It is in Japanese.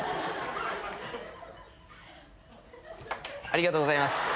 ありがとうございます。